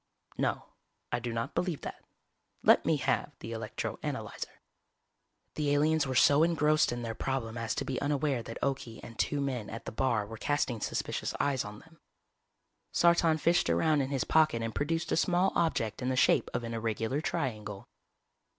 _" "No, I do not believe that. Let me have the electro analyzer." The aliens were so engrossed in their problem as to be unaware that Okie and two men at the bar were casting suspicious eyes on them. Sartan fished around in his pocket and produced a small object in the shape of an irregular triangle.